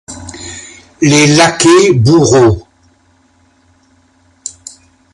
Les laquais bourreaux!